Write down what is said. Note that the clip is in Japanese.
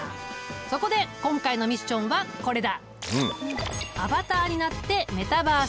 そこで今回のミッションはこれだ！